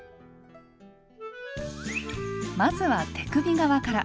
まずは手首側から。